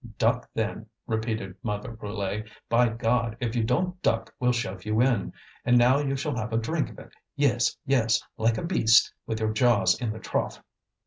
"Duck then," repeated Mother Brulé. "By God! if you don't duck we'll shove you in. And now you shall have a drink of it; yes, yes, like a beast, with your jaws in the trough!"